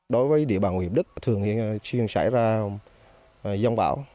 đối với địa bàn huyện hiệp đức thường khi xuyên xảy ra giông bão